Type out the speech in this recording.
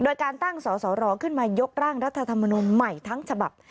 โดยการตั้งสสรขึ้นมายกร่างรัฐธรรมนุนใหม่ทั้งฉบับ